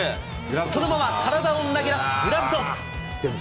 そのまま体を投げ出し、グラブトス。